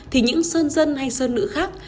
thì những sơn dân hay sơn nữ khác